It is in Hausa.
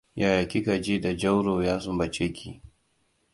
Yaya kika ji da Jauro ya sunbace ki?